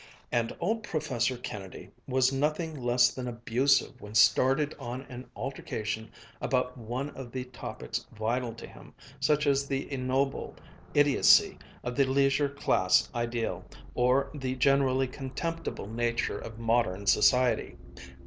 And old Professor Kennedy was nothing less than abusive when started on an altercation about one of the topics vital to him, such as the ignoble idiocy of the leisure class ideal, or the generally contemptible nature of modern society.